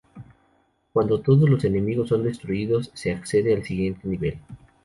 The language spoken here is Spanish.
Cuando todos los enemigos son destruidos se accede al siguiente nivel.